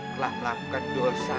telah melakukan dosa